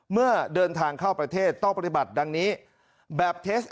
เมื่อเดินทางเข้าประเทศต้องปฏิบัติดังนะ